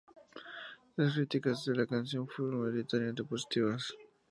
Las críticas de la canción fueron mayoritariamente positivas.